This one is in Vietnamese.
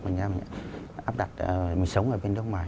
mình đã áp đặt mình sống ở bên nước ngoài